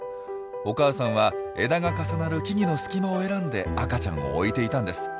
お母さんは枝が重なる木々の隙間を選んで赤ちゃんを置いていたんです。